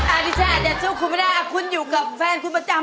อันนี้ฉันอาจจะสู้คุณไม่ได้คุณอยู่กับแฟนคุณประจำ